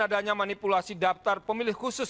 adanya manipulasi daftar pemilih khusus